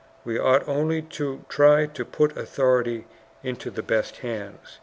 We ought only to try to put authority into the best hands."